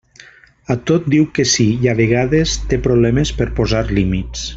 A tot diu que sí i a vegades té problemes per posar límits.